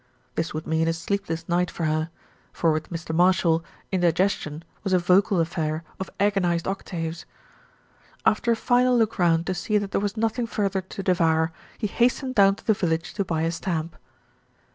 This would mean a sleepless night for her, for with Mr. Marshall indigestion was a vocal affair of agonised octaves. After a final look round to see that there was nothing further to devour, he hastened down to the village to buy a stamp.